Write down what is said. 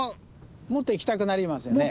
もっといきたくなりますね。